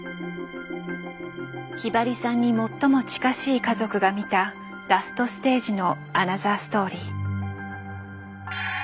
ひばりさんに最も近しい家族が見たラストステージのアナザーストーリー。